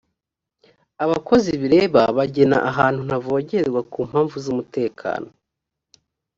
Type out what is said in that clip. abakozi bireba bagena ahantu ntavogerwa ku mpamvu zumutekano